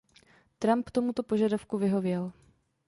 Trump tomuto požadavku vyhověl.